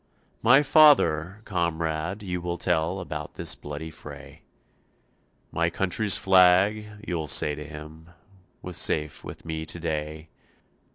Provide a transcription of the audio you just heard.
"My father, comrade, you will tell About this bloody fray; My country's flag, you'll say to him, Was safe with me to day.